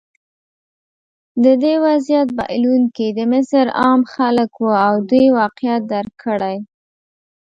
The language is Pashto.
د دې وضعیت بایلونکي د مصر عام خلک وو او دوی واقعیت درک کړی.